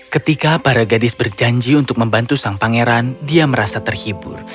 ketika para gadis berjanji untuk membantu sang pangeran dia merasa terhibur